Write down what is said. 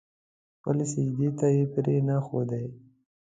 خپلې سجدې ته يې پرې نه ښودې.